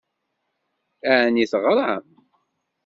Ɛni teɣṛam?